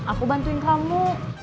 aku bantuin kamu